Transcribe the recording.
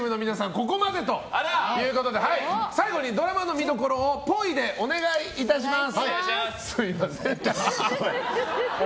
ここまでということで最後にドラマの見どころをっぽいでお願いいたします。